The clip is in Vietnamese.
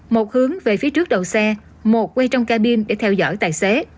một hướng về phía trước đầu xe một quay trong cabin để theo dõi tài xế